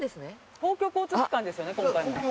公共交通機関ですよね今回も。